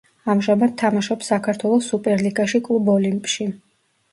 ამჟამად თამაშობს საქართველოს სუპერლიგაში კლუბ ოლიმპში.